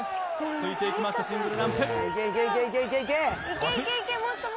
ついていきました、シングルランプ。